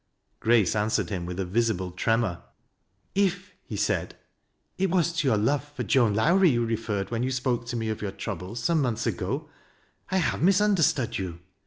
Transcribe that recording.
Grace answered him with a visible ti emor. " If," he said, " it was to your love for Joan Lowrie you referred when you spoke to me of your trouble some months ago, I have misunderstood you.